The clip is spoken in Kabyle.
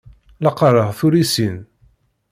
La qqareɣ tullisin.